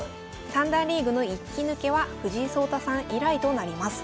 三段リーグの１期抜けは藤井聡太さん以来となります。